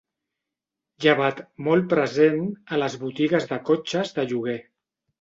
Llevat molt present a les botigues de cotxes de lloguer.